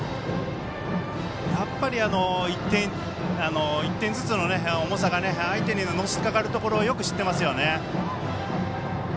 やっぱり１点ずつの重さが相手にのしかかるところをよく知っていますね。